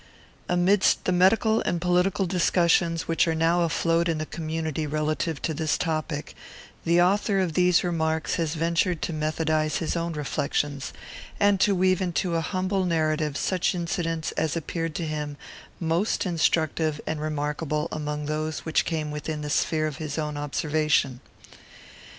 Amidst the medical and political discussions which are now afloat in the community relative to this topic, the author of these remarks has ventured to methodize his own reflections, and to weave into an humble narrative such incidents as appeared to him most instructive and remarkable among those which came within the sphere of his own observation.